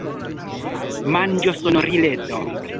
Manĝosonorileto.